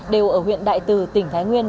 đều ở huyện đại từ tỉnh thái nguyên